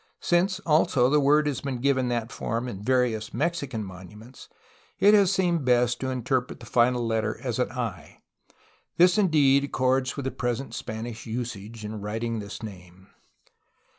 Since also the word has been given that form in various Mexican monuments, it has seemed best to interpret the final letter as an "i". This indeed accords with present Spanish usage in writing this name.